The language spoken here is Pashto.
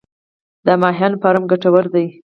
د ماهیانو فارم ګټور دی؟